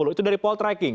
itu dari poll tracking